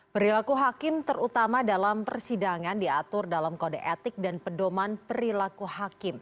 perilaku hakim terutama dalam persidangan diatur dalam kode etik dan pedoman perilaku hakim